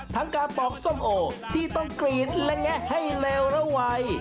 ทั้งการปอกส้มโอที่ต้องกรีดและแงะให้เลวระวัย